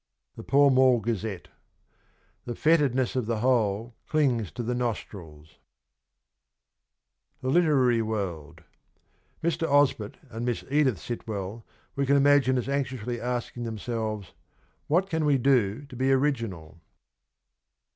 THE PALL MALL GAZETTE. ... The foetidness of the whole clings to the nostrils. ... THE LITERARY WORLD. Mr. Osbert and Miss Edith Sitwell we can imagine as anxiously asking themselves :' What can we do to be original